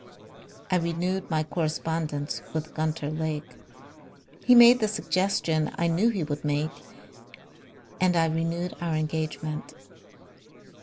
I renewed my correspondence with Gunter Lake. He made the suggestion I knew he would make, and I renewed our engagement."